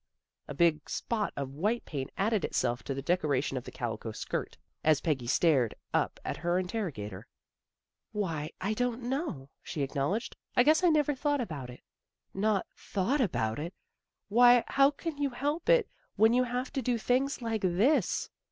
" A big spot of white paint added itself to the decoration of the calico skirt, as Peggy stared up at her interrogator. " Why, I don't know," she acknowledged, " I guess I never thought about it." " Not thought about it? Why, how can you help it when you have to do things like this?